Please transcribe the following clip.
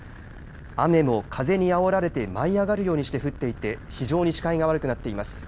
雨も、風にあおられて舞い上がるようにして降っていて非常に視界が悪くなっています。